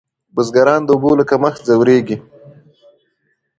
بزګران د اوبو له کمښت ځوریږي.